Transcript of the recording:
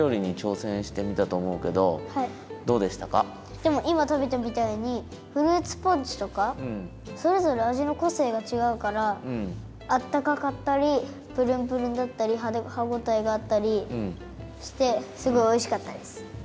でもいまたべたみたいにフルーツポンチとかそれぞれあじのこせいがちがうからあったかかったりプルンプルンだったりはごたえがあったりしてすごいおいしかったです。